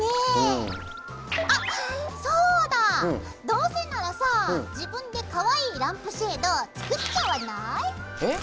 どうせならさ自分でかわいいランプシェード作っちゃわない？えっ！